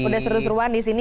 udah seru seruan di sini